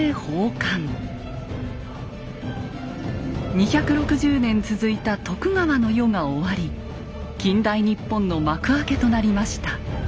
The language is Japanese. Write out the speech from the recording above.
２６０年続いた徳川の世が終わり近代日本の幕開けとなりました。